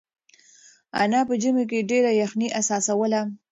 انا په ژمي کې ډېره یخنۍ احساسوله.